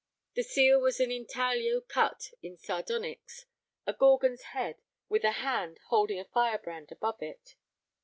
The seal was an intaglio cut in sardonyx—a gorgon's head with a hand holding a firebrand above it.